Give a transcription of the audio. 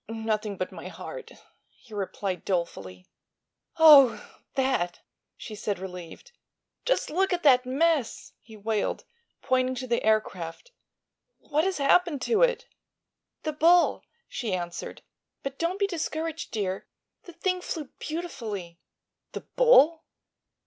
"Nothing but my heart," he replied dolefully. "Oh; that!" she said, relieved. "Just look at that mess!" he wailed, pointing to the aircraft. "What has happened to it?" "The bull," she answered. "But don't be discouraged, dear; the thing flew beautifully." "The bull?"